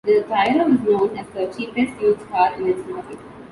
The Tiara was known as the cheapest used car in its market.